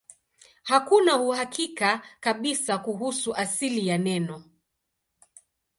Hakuna uhakika kabisa kuhusu asili ya neno.